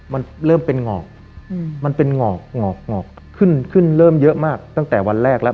มันเริ่มเป็นหงอกมันเป็นหงอกหงอกหงอกขึ้นขึ้นเริ่มเยอะมากตั้งแต่วันแรกแล้ว